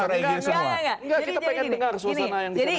enggak kita ingin dengar suasana yang disana tadi